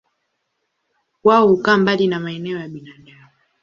Wao hukaa mbali na maeneo ya binadamu.